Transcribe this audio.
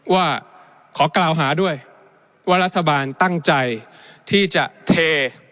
ว่าขอกล่าวหาด้วยว่ารัฐบาลตั้งใจที่จะเท